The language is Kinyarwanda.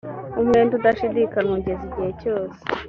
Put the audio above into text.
umwenda udashidikanywa ugeze igihe cyose